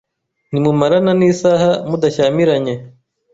Ntimumarana n’isaha mudashyamiranye